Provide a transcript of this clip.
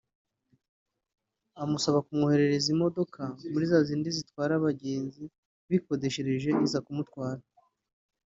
amusabye kumwoherereza imodoka (muri za zindi zitwara abagenzi bikodeshereje) iza kumutwara